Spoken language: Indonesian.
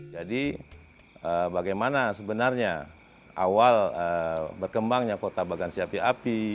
jadi bagaimana sebenarnya awal berkembangnya kota bagan siapiapi